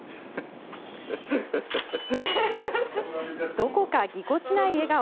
どこか、ぎこちない笑顔。